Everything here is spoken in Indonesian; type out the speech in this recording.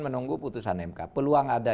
menunggu putusan mk peluang ada